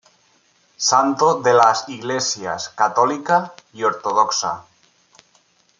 Santo de las Iglesias católica y ortodoxa.